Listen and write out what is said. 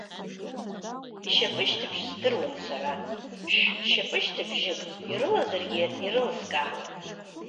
Ишьапышьҭыбжь здыруан сара, шә-шьапышьҭыбжьык ирылазаргьы ирылскаауан.